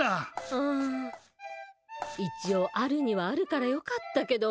あぁ、一応あるにはあるからよかったけど。